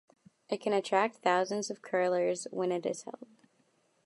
It can attract thousands of curlers when it is held.